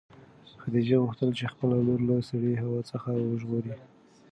خدیجې غوښتل چې خپله لور له سړې هوا څخه وژغوري.